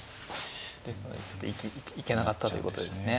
ですのでちょっと行けなかったということですね。